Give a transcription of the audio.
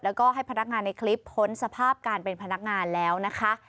แล้วก็ให้พนักงานในคลิปพ้นสภาพการเป็นพนักงานแล้วนะคะ